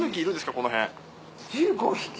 この辺？